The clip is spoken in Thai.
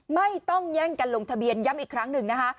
ไม่ต้องแย่งกันลงทะเบียนย้ำอีกครั้งหนึ่งนะคะ